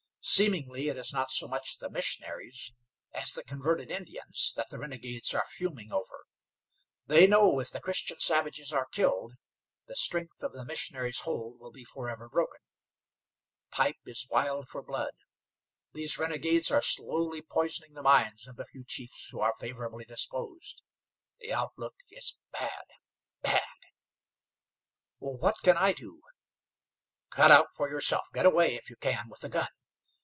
Seemingly it is not so much the missionaries as the converted Indians, that the renegades are fuming over. They know if the Christian savages are killed, the strength of the missionaries' hold will be forever broken. Pipe is wild for blood. These renegades are slowly poisoning the minds of the few chiefs who are favorably disposed. The outlook is bad! bad!" "What can I do?" "Cut out for yourself. Get away, if you can, with a gun.